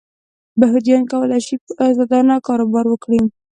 یهودیانو کولای شول چې ازادانه کاروبار وکړي.